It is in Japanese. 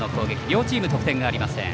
両チーム得点がありません。